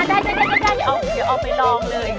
ได้เอาไปลองเลย